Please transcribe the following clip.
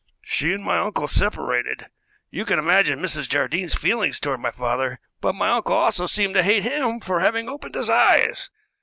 She and my uncle separated. You can imagine Mrs. Jardine's feelings toward my father, but my uncle also seemed to hate him for having opened his eyes.